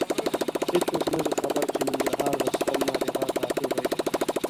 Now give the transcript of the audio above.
هېڅوک نه دي خبر چې ننګرهار د ستر نابغه ټاټوبی دی.